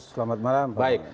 selamat malam pak amin